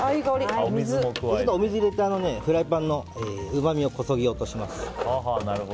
水を入れてフライパンのうまみをこそげ落とします。